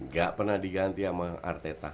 gak pernah diganti sama arteta